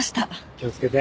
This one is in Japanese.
気をつけて。